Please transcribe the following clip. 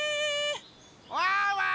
ワンワン！